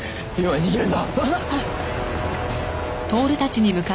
逃げるぞ！